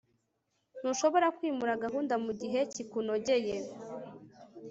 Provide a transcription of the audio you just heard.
ntushobora kwimura gahunda mugihe gikunogeye